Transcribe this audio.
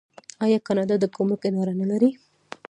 آیا کاناډا د ګمرک اداره نلري؟